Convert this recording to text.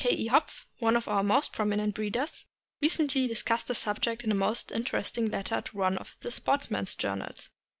K. E. Hopf, one of our most prominent breeders, recently discussed this subject in a most interesting letter to one of the sportsmen's journals.